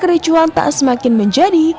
kerejuan tak semakin menjadi